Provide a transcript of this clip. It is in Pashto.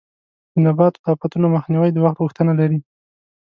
د نباتو د آفتونو مخنیوی د وخت غوښتنه لري.